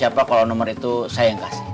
siapa kalau nomor itu saya yang kasih